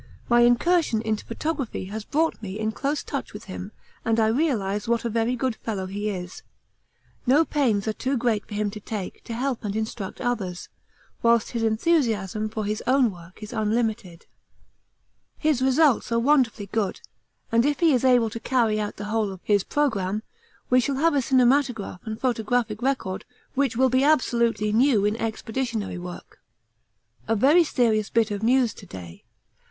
My incursion into photography has brought me in close touch with him and I realise what a very good fellow he is; no pains are too great for him to take to help and instruct others, whilst his enthusiasm for his own work is unlimited. His results are wonderfully good, and if he is able to carry out the whole of his programme, we shall have a cinematograph and photographic record which will be absolutely new in expeditionary work. A very serious bit of news to day.